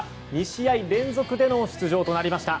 ２試合連続での出場となりました。